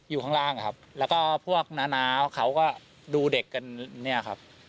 อยู่ข้างล่างครับแล้วก็พวกน้าเขาก็ดูเด็กกันเนี่ยครับ